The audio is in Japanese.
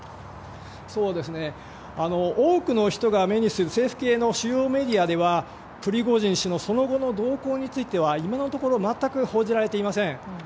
多くの人が目にする政府系の主要メディアではプリゴジン氏のその後の動向については今のところ全く報じられていません。